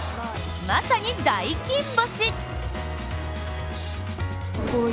まさに大金星。